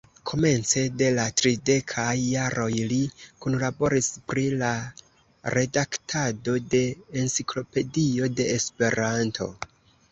Komence de la tridekaj jaroj li kunlaboris pri la redaktado de Enciklopedio de Esperanto.